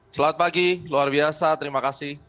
selamat pagi luar biasa terima kasih